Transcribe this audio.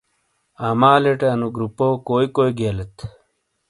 اعمالی ٹے انو گروپوں کوئی کوئی گیلیت ؟